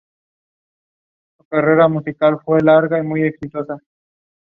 They lived in California.